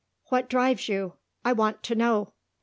What drives you? I want to know."